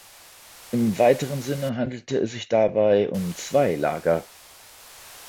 Im weiteren Sinne handelte es sich dabei um zwei Lager.